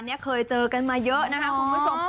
เคยมาเจอกันกันเยอะคุณผู้ชม